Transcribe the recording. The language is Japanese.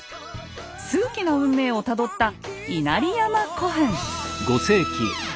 数奇な運命をたどった「稲荷山古墳」！